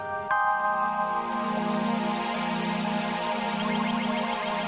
sampai jumpa lagi